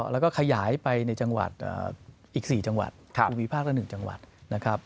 แล้วก็ขยายไปในจังหวัดอีก๔จังหวัดภูมิภาคละ๑จังหวัดนะครับ